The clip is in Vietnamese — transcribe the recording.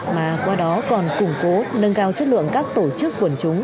mà qua đó còn củng cố nâng cao chất lượng các tổ chức quần chúng